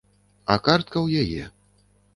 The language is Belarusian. А картка ў яе.